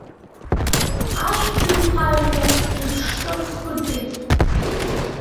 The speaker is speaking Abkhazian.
Ашәҭ еиқәарақәа рыԥштәы рхыҵит.